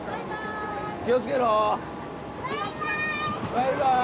・バイバーイ！